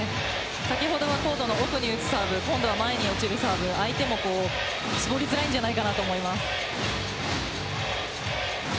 先ほどはコートの奥に打つサーブ今度は前に落ちるサーブ相手も絞りづらいじゃないかなと思います。